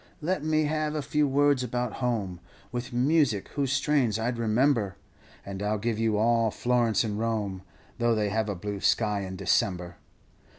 Let me have a few words about home, With music whose strains I 'd remember, And I 'll give you all Florence and Rome, Tho' they have a blue sky in December.